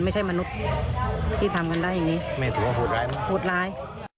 ไม่ถึงว่าอุดร้ายมากอุดร้าย